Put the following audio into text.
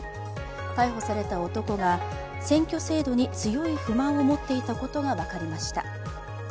逮捕された男が選挙制度に強い不満を持っていたことが分かりました。